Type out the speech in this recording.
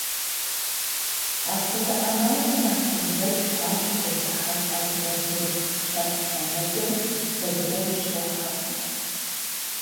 Апхуэдэ ӏэмалым Аслъэнбэч хуабжьу дэзыхьэх адыгэ бгырыпх лъэпкъ бэнэкӏэм куэдрэ ущрохьэлӏэ.